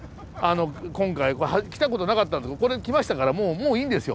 今回来たことなかったんでこれで来ましたからもういいんですよ。